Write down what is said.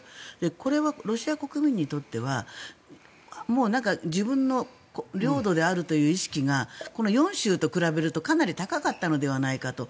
これはロシア国民にとっては自分の領土であるという意識がこの４州と比べるとかなり高かったのではないかと。